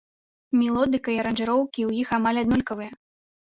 Мелодыка і аранжыроўкі ў іх амаль аднолькавыя.